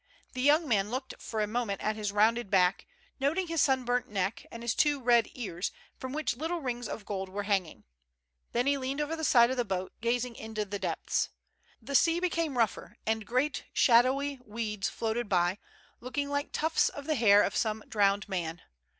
The young man looked for a moment at his rounded back, noting his sunburnt neck and his two red ears, from which little rings of gold were hanging. Then he leaned over the side of the boat, gazing into the depths. The sea became rougher, and great shadowy weeds MURDEROUS ATTEMPTS. 137 floated by, looking like tufts of the hair of some drowned man.